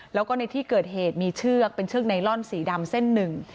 แล้วก็ในที่เกิดเหตุมีเชือกเป็นเชือกไนลอนสีดำเส้นหนึ่ง